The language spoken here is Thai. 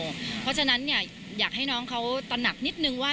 เพราะฉะนั้นอยากให้น้องเขาตระหนักนิดนึงว่า